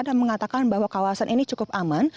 dan mengatakan bahwa kawasan ini cukup aman